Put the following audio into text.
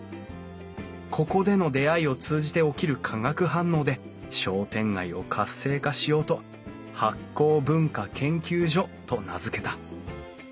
ここでの出会いを通じて起きる化学反応で商店街を活性化しようと醗酵文化研究所と名付けた。